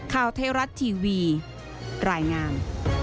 ข่าวเทราะห์ทีวีรายงาน